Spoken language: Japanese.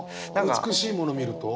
美しいもの見ると？